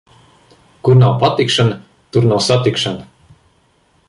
Kur nav patikšana, tur nav satikšana.